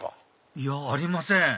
いやありません